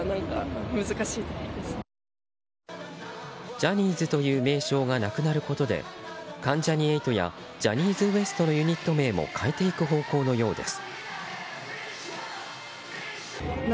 ジャニーズという名称がなくなることで関ジャニ∞やジャニーズＷＥＳＴのユニット名を変えていく方向のようです。